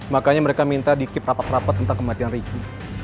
makanya mereka minta dikip rapat rapat tentang kematian ricky